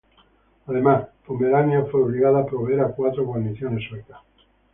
Además, Pomerania fue obligada a proveer a cuatro guarniciones suecas.